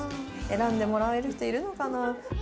選んでもらえる人いるのかな？